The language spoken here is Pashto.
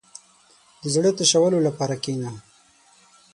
• د زړۀ د تشولو لپاره کښېنه.